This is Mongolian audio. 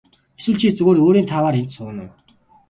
Эсвэл чи зүгээр өөрийн тааваар энд сууна уу.